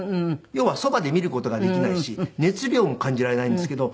要はそばで見る事ができないし熱量も感じられないんですけど。